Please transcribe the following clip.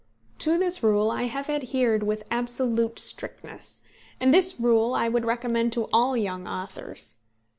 To this rule I have adhered with absolute strictness, and this rule I would recommend to all young authors.